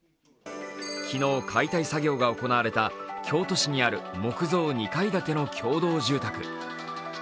昨日、解体作業が行われた京都市にある木造２階建ての共同住宅。